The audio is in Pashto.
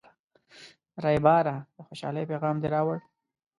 ریبراه، د خوشحالۍ پیغام دې راوړ.